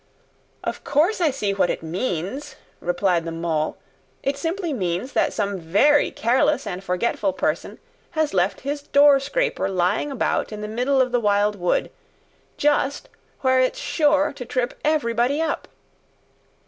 "Of course I see what it means," replied the Mole. "It simply means that some VERY careless and forgetful person has left his door scraper lying about in the middle of the Wild Wood, just where it's sure to trip everybody up.